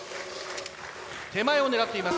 手前を狙っています。